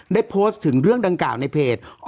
ได้โพสต์ถึงเรื่องดังกล่าวในเพจ